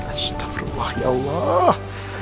astagfirullah ya allah